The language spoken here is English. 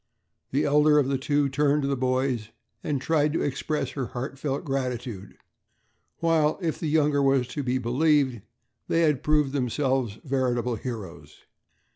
The elder of the two turned to the boys and tried to express her heartfelt gratitude, while, if the younger was to be believed, they had proved themselves veritable heroes.